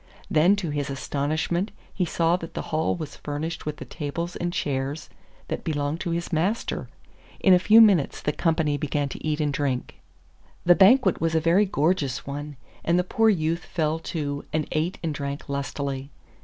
Then to his astonishment he saw that the hall was furnished with the tables and chairs that belonged to his master. In a few minutes the company began to eat and drink. The banquet was a very gorgeous one, and the poor youth fell to and ate and drank lustily.